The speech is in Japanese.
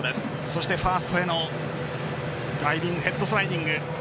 そしてファーストへのダイビングヘッドスライディング。